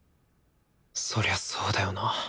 そりゃそうだよな